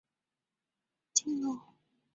进入维巴庭园要经过加尔默罗街。